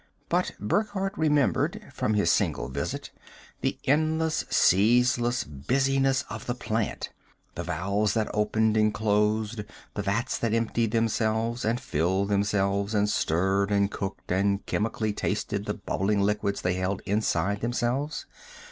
But Burckhardt remembered, from his single visit, the endless, ceaseless busyness of the plant, the valves that opened and closed, the vats that emptied themselves and filled themselves and stirred and cooked and chemically tasted the bubbling liquids they held inside themselves.